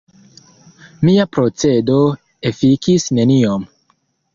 Mia procedo efikis neniom.